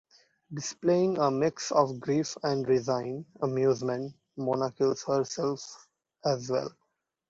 Displaying a mix of grief and resigned amusement, Mona kills herself as well.